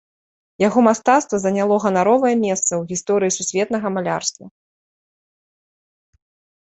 Яго мастацтва заняло ганаровае месца ў гісторыі сусветнага малярства.